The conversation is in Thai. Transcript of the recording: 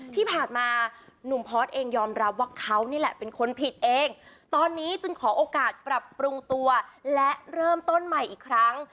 ที่ผ่านมาหนุ่มพอร์ตเองยอมรับว่าเขานี่แหละเป็นคนผิดเองตอนนี้จึงขอโอกาสปรับปรุงตัวและเริ่มต้นใหม่อีกครั้ง